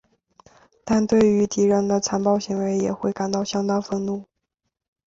但对于敌人的残暴行为也会感到相当愤怒。